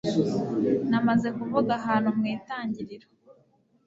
namaze kuvuga ahantu mu itangiriro